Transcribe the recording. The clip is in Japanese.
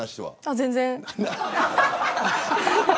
全然。